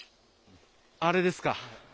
あれですか？